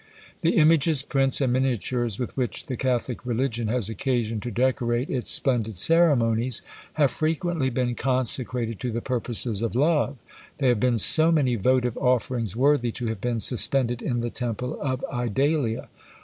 The images, prints, and miniatures, with which the catholic religion has occasion to decorate its splendid ceremonies, have frequently been consecrated to the purposes of love: they have been so many votive offerings worthy to have been suspended in the temple of Idalia.